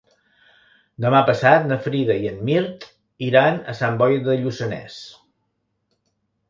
Demà passat na Frida i en Mirt iran a Sant Boi de Lluçanès.